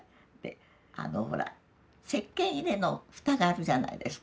ほらせっけん入れの蓋があるじゃないですか。